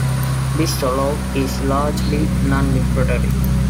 This swallow is largely non-migratory.